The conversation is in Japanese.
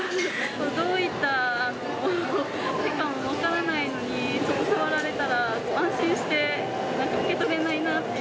どういった手かも分からないのに、触られたら、安心して受け取れないなって。